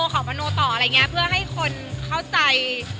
ของมโณต่ออะไรเงี้ยเพื่อให้คนเข้าใจ